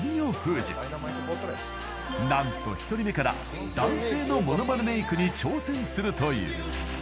［何と１人目から男性のものまねメイクに挑戦するという］